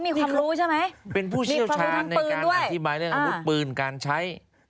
มีคำรู้ทางปืนด้วยเป็นผู้เชี่ยวชาติในการอธิบายเรื่องปืนการใช้